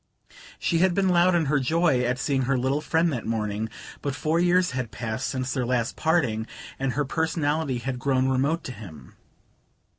She had been loud in her joy at seeing her little friend that morning, but four years had passed since their last parting, and her personality had grown remote to him.